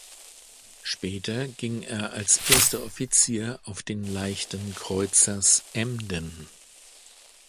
Später ging er als Erster Offizier auf den Leichten Kreuzers Emden.